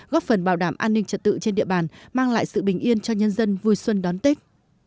góp phần bảo đảm an ninh trật tự trên địa bàn mang lại sự bình yên cho nhân dân vui xuân đón tết